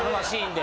で。